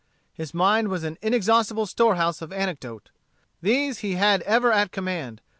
His mind was an inexhaustable store house of anecdote. These he had ever at command.